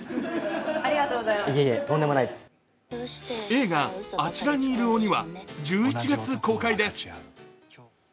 映画「あちらにいる鬼」は１１月公開です。